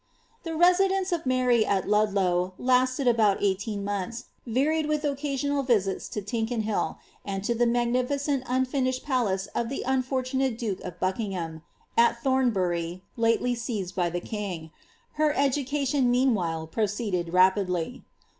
The residence of Mary at Ludlow lasted about eighteen nonthi varied with occasional visits to Tickenhill, and to the magnificent in finished palace of the unfortunate duke of Buckingham, at Thorabvy* lately seized by the king; her education meantime proceeded rapidlf.